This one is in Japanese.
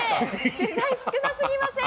取材少なすぎません？